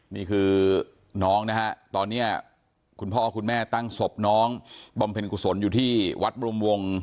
นี่คือน้องนะฮะตอนนี้คุณพ่อคุณแม่ตั้งศพน้องบำเพ็ญกุศลอยู่ที่วัดบรุมวง